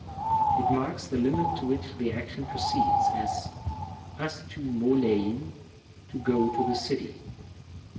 It marks the limit to which the action proceeds ; as, actv fxoXtlv^ " to go to the city."